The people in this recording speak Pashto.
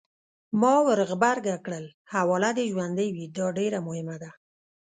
ما ورغبرګه کړل: حواله دې ژوندۍ وي! دا ډېره مهمه ده.